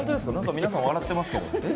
皆さん、笑ってますけど。